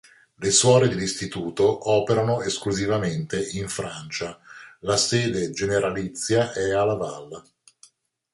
Le suore dell'istituto operano esclusivamente in Francia; la sede generalizia è a Laval.